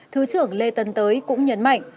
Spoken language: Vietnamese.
thứ trưởng lê tân tới cũng nhấn mạnh